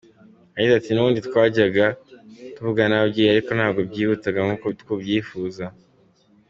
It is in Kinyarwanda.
Yagize ati“ Nubundi twajyaga tuvugana n’ababyeyi ariko ntabwo byihutaga nk’uko tubyifuza.